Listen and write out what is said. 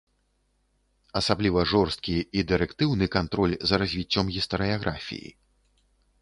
Асабліва жорсткі і дырэктыўны кантроль за развіццём гістарыяграфіі.